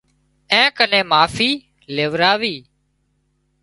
اين ڪنين معافي ليوراوي